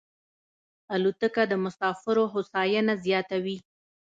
الوتکه د مسافرو هوساینه زیاتوي.